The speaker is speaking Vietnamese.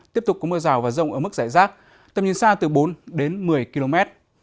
tiếp tục có mưa rào và rông ở mức giải rác tầm nhìn xa từ bốn đến một mươi km